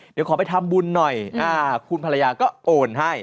เดี๋ยวขอไปทำบุญหน่อยคุณภรรยาก็โอนให้